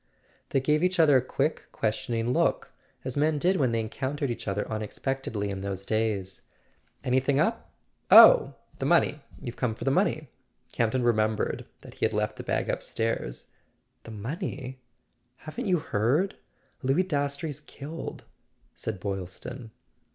They gave each other a quick questioning look, as men did when they encountered each other unexpectedly in those days. "Anything up? Oh, the money—you've come for the money?" Campton remembered that he had left the bag upstairs. "The money? Haven't you heard? Louis Dastrey's killed," said Boylston.